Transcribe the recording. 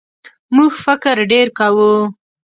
موږ فکر ډېر کوو.